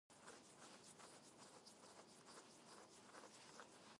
The town was never developed and its site remains empty to the present day.